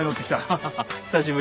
ハハハッ久しぶり。